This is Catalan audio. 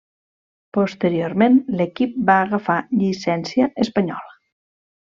Posteriorment l'equip va agafar llicència espanyola.